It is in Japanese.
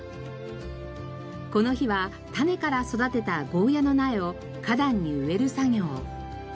この日は種から育てたゴーヤーの苗を花壇に植える作業。